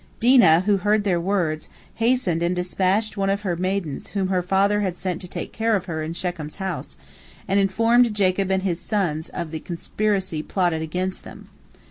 Dinah, who heard their words, hastened and dispatched one of her maidens whom her father had sent to take care of her in Shechem's house, and informed Jacob and his sons of the conspiracy plotted against them.